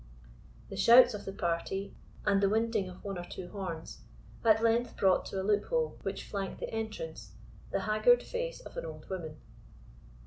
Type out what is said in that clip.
The shouts of the party, and the winding of one or two horns, at length brought to a loophole, which flanked the entrance, the haggard face of an old woman.